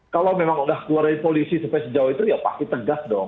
kalau memang sudah keluar dari polisi sampai sejauh itu ya pasti tegas dong